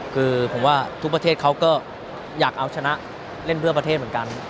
คือผมว่าทุกประเทศเขาก็อยากเอาชนะเล่นเพื่อประเทศเหมือนกัน